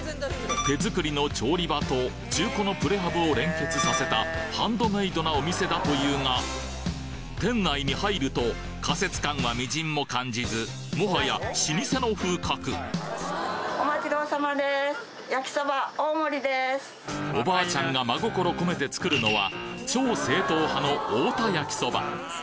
手作りの調理場と中古のプレハブを連結させたハンドメイドなお店だというが店内に入ると仮設感は微塵も感じずもはや老舗の風格おばあちゃんが真心こめて作るのは超正統派の太田焼そば